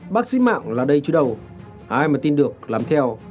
bác sĩ mạng là đây chứ đâu ai mà tin được làm theo